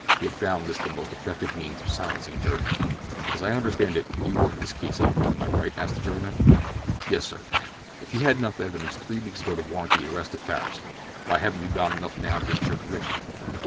He had found this the most effective means of silencing jurymen. "As I understand it, you worked this case up, am I right?" asked the juryman. "Yes, sir." "If you had enough evidence three weeks ago to warrant the arrest of Farris, why haven't you got enough now to insure conviction?"